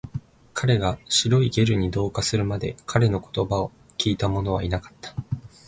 彼が白いゲルに同化するまで、彼の言葉を聞いたものはいなかった